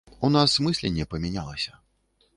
У нас мысленне памянялася.